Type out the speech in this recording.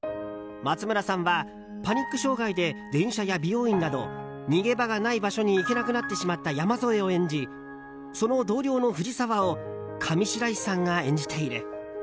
松村さんはパニック障害で電車や美容院など逃げ場がない場所に行けなくなってしまった山添を演じその同僚の藤沢を上白石さんが演じている。